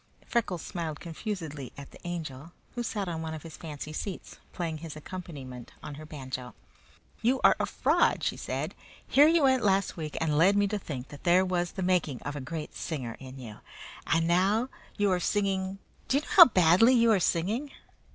Freckles smiled confusedly at the Angel, who sat on one of his fancy seats, playing his accompaniment on her banjo. "You are a fraud," she said. "Here you went last week and led me to think that there was the making of a great singer in you, and now you are singing do you know how badly you are singing?"